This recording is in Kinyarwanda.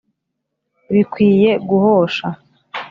Bikwiye guhosha.